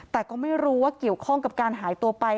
แต่ก็ไม่รู้ว่าเกี่ยวข้องกับการหายตัวไป